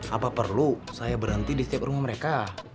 apa perlu saya berhenti di setiap rumah mereka